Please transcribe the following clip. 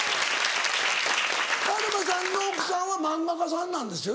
カルマさんの奥さんは漫画家さんなんですよね？